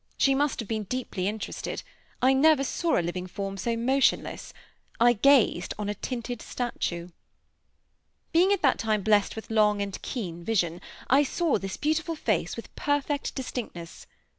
She must have been deeply interested; I never saw a living form so motionless I gazed on a tinted statue. Being at that time blessed with long and keen vision, I saw this beautiful face with perfect distinctness.